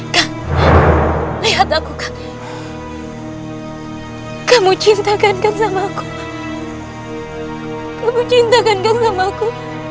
kamu cintakan kamu cintakan kamu cintakan kamu cintakan kamu cintakan aku